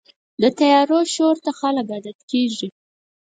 د طیارو شور ته خلک عادت کېږي.